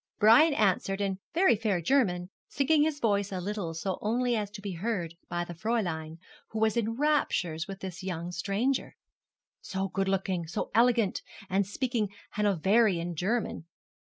Brian answered in very fair German, sinking his voice a little so as only to be heard by the Fräulein, who was in raptures with this young stranger. So good looking, so elegant, and speaking Hanoverian German.